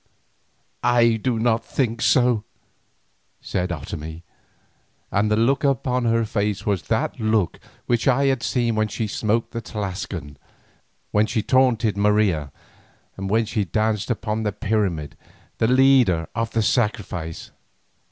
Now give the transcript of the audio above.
"I do not think so," said Otomie, and the look upon her face was that look which I had seen when she smote the Tlascalan, when she taunted Marina, and when she danced upon the pyramid, the leader of the sacrifice.